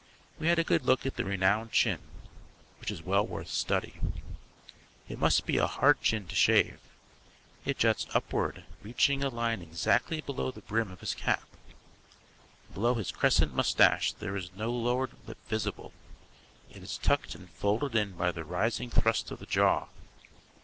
We had a good look at the renowned chin, which is well worth study. It must be a hard chin to shave. It juts upward, reaching a line exactly below the brim of his cap. Below his crescent moustache there is no lower lip visible: it is tucked and folded in by the rising thrust of the jaw.